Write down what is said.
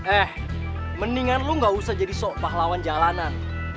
eh mendingan lo ga usah jadi sok pahlawan jalanan